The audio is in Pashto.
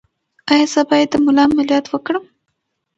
ایا زه باید د ملا عملیات وکړم؟